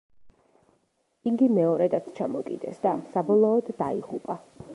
იგი მეორედაც ჩამოკიდეს და საბოლოოდ დაიღუპა.